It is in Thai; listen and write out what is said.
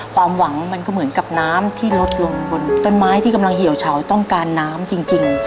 ความหวังมันก็เหมือนกับน้ำที่ลดลงบนต้นไม้ที่กำลังเหี่ยวเฉาต้องการน้ำจริง